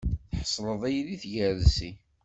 Tḥesleḍ-iyi di tgersi.